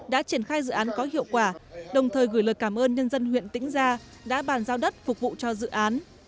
đã triển khai dự án có hiệu quả đồng thời gửi lời cảm ơn nhân dân huyện tĩnh gia đã bàn giao đất phục vụ cho dự án